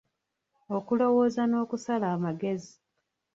Okulowooza n'okusala amagezi.